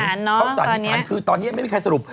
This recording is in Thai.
เขาสันนิษฐานคือตอนนี้ยังไม่มีใครสรุป